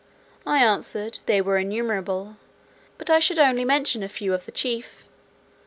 I answered "they were innumerable; but I should only mention a few of the chief.